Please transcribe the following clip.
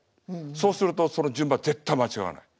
そうするとその順番絶対間違わない。